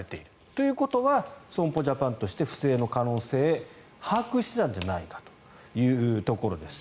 ということは損保ジャパンとして不正の可能性を把握していたんじゃないかというところです。